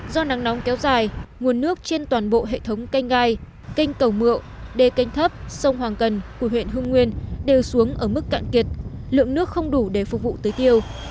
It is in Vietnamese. do nắng nóng kéo dài nguồn nước trên toàn bộ hệ thống canh gai canh cầu mượu đề canh thấp sông hoàng cần của huyện hương nguyên đều xuống ở mức cạn kiệt lượng nước không đủ để phục vụ tưới tiêu